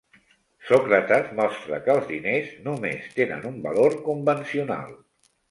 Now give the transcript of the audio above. Sòcrates mostra que els diners només tenen un valor convencional.